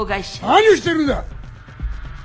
何をしてるんだ！